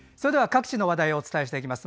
各地の話題をお伝えしていきます。